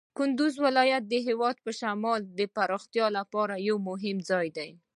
کندز ولایت د هېواد په شمال کې د پراختیا لپاره یو مهم ځای دی.